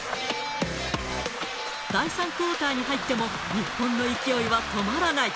第３クオーターに入っても、日本の勢いは止まらない。